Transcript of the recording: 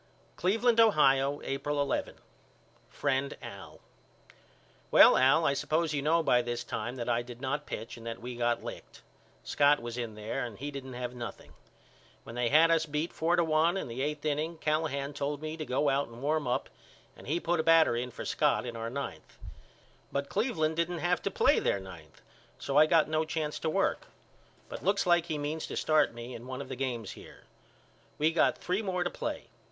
Cleveland, Ohio, April 11. FRIEND AL: Well Al I suppose you know by this time that I did not pitch and that we got licked. Scott was in there and he didn't have nothing. When they had us beat four to one in the eight inning Callahan told me to go out and warm up and he put a batter in for Scott in our ninth. But Cleveland didn't have to play their ninth so I got no chance to work. But looks like he means to start me in one of the games here. We got three more to play.